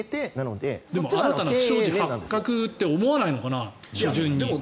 でも新たな不祥事発覚って思わないのかな。